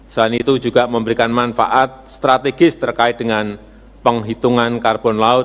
selain itu juga memberikan manfaat strategis terkait dengan penghitungan karbon laut